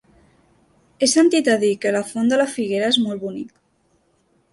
He sentit a dir que la Font de la Figuera és molt bonic.